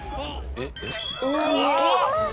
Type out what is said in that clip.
えっ！？